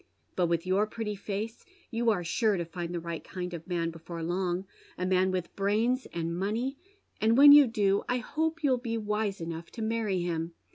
But with your pretty face you are sure to find the right kind of man before long, a man with brains and money, and when you do I hope you'll be wise enough to many him.